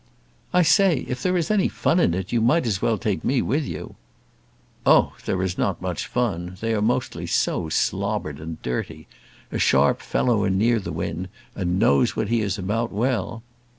"I say, if there is any fun in it you might as well take me with you." "Oh, there is not much fun; they are mostly so slobbered and dirty. A sharp fellow in Nearthewinde, and knows what he is about well."